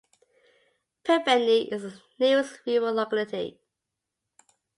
Privetny is the nearest rural locality.